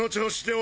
お！！